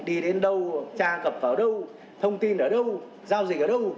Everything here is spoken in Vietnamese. đi đến đâu tra cập vào đâu thông tin ở đâu giao dịch ở đâu